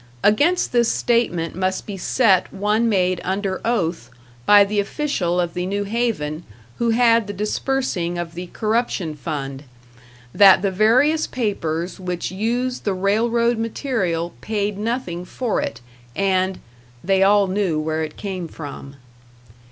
Against this statement must be set one made under oath by the official of the New Haven who had the disbursing of the corruption fund that the various papers which used the railroad material paid nothing for it, and "they all knew where it came from."